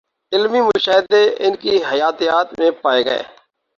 علمی مشاہدے ان کی حیاتیات میں پائے گئے